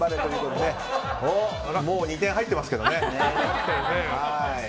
もう２点入ってますけどね。